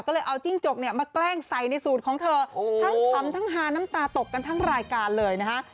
ก็เลยเอาจิ้งจกเนี่ยมาแกล้งใส่ในสูตรของเธอทั้งขำทั้งฮาน้ำตาตกกันทั้งรายการเลยนะฮะ